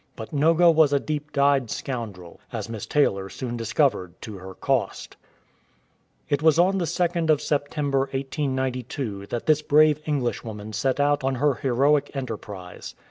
But Noga was a deep dyed scoundrel, as Miss Taylor soon discovered to her cost. It was on the 2nd of September, 189.2, that this brave Englishwoman set out on her heroic enterprise.